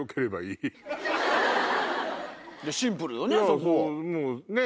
シンプルよね。